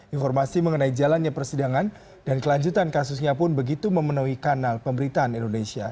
informasi mengenai jalannya persidangan dan kelanjutan kasusnya pun begitu memenuhi kanal pemberitaan indonesia